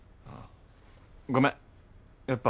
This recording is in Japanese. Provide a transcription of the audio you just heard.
ああ。